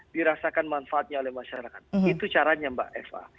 dirasakan manfaatnya oleh masyarakat itu caranya mbak eva